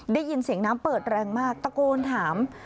ได้ยินเสียงน้ำเปิดแรงมากตะโกนถาม